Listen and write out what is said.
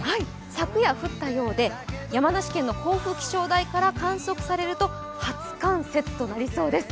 昨夜降ったようで、山梨県の甲府気象台から観測されると初冠雪となりそうです。